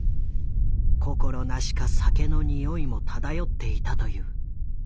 心なしか酒のにおいも漂っていたという。